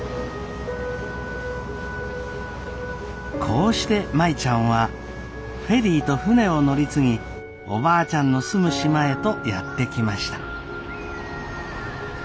こうして舞ちゃんはフェリーと船を乗り継ぎおばあちゃんの住む島へとやって来ました。